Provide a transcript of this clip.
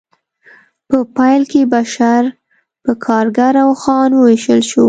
په پیل کې بشر په کارګر او خان وویشل شو